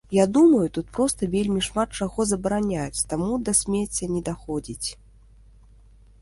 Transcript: Я думаю, тут проста вельмі шмат чаго забараняюць, таму да смецця не даходзіць.